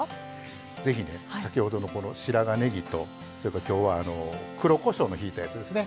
ぜひね先ほどの白髪ねぎとそれからきょうは黒こしょうのひいたやつですね。